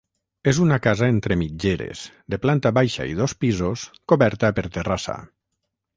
És una casa entre mitgeres, de planta baixa i dos pisos coberta per terrassa.